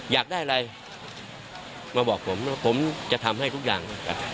อยากได้อะไรมาบอกผมผมจะทำให้ทุกอย่าง